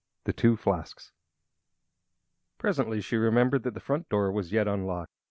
The Two Flasks Presently she remembered that the front door was yet unlocked.